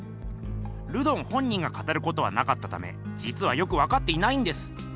ルドン本人が語ることはなかったためじつはよくわかっていないんです。